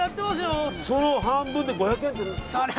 その半分で５００円には？